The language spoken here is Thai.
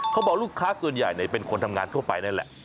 เขาบอกลูกค้าส่วนใหญ่เป็นคนทำงานทั่วไปนั่นแหละ